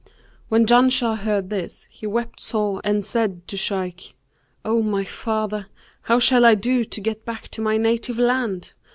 When Janshah heard this, he wept sore and said to the Shaykh, 'O my father, how shall I do to get back to my native land?'